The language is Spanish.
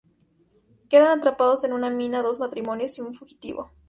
Quedan atrapados en una mina dos matrimonios y un fugitivo.